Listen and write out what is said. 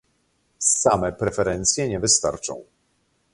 Same preferencje nie wystarczą